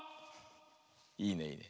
いいねいいね。